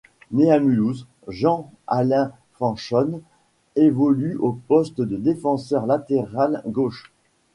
Né à Mulhouse, Jean-Alain Fanchone évolue au poste de défenseur latéral gauche.